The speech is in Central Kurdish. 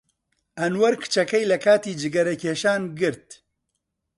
ئەنوەر کچەکەی لە کاتی جگەرەکێشان گرت.